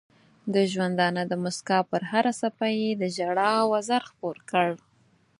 د ژوندانه د مسکا پر هره څپه یې د ژړا وزر خپور کړ.